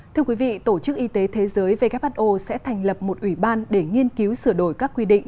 thưa quý vị tổ chức y tế thế giới who sẽ thành lập một ủy ban để nghiên cứu sửa đổi các quy định